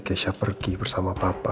kesha pergi bersama papa